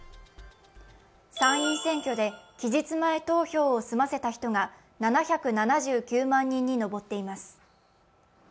参院選挙で期日前投票を済ませた人が７７９万人に上っています。